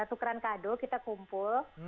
tukeran kado kita kumpul